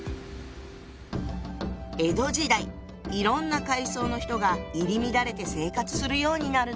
江戸時代いろんな階層の人が入り乱れて生活するようになるの。